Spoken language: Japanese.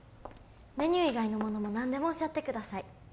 メニュー以外のものも何でもおっしゃってください